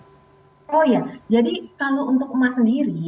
oh ya jadi kalau untuk emas sendiri